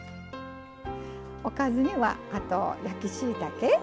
おかずにはあと焼きしいたけ